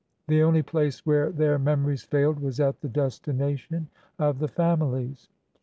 The only place where their memories failed was at the destination of the families.